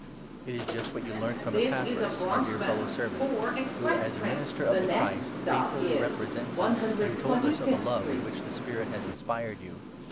It is just what you 7 learnt from Epaphras, our dear fellow servant, who, as a minister of the Christ, faithfully represents us, and who 8 told us of the love with which the Spirit has inspired you.